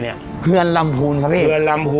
ดีเจนุ้ยสุดจีลา